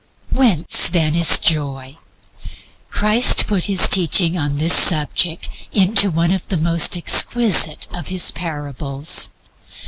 Whence, then, is joy? Christ put His teaching upon this subject into one of the most exquisite of His parables.